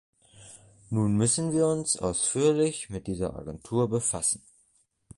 Nun müssen wir uns ausführlich mit dieser Agentur befassen.